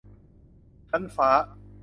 ชั้นฟ้า